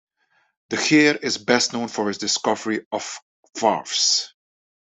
De Geer is best known for his discovery of varves.